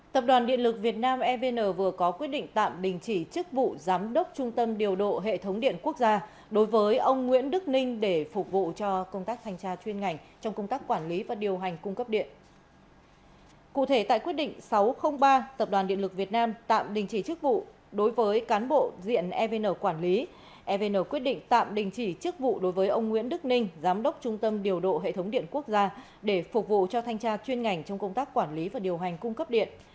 tập đoàn điện lực việt nam evn vừa có quyết định tạm đình chỉ chức vụ giám đốc trung tâm điều độ hệ thống điện quốc gia đối với ông nguyễn đức ninh để phục vụ cho công tác thanh tra chuyên ngành trong công tác quản lý và điều hành cung cấp điện